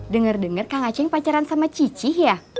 dengar dengar kang aceh pacaran sama cici ya